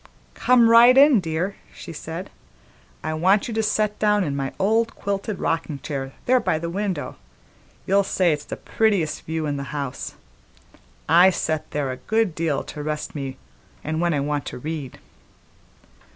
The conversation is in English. "Come right in, dear," she said. "I want you to set down in my old quilted rockin' chair there by the window; you'll say it's the prettiest view in the house. I set there a good deal to rest me and when I want to read."